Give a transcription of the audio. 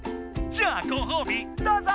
じゃあごほうびどうぞ！